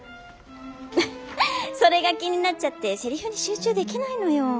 ウフッそれが気になっちゃってせりふに集中できないのよ。